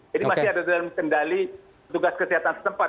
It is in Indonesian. jadi masih ada dalam kendali tugas kesehatan setempat